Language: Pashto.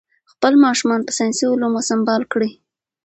خپل ماشومان په ساینسي علومو سمبال کړئ.